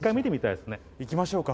行きましょうか。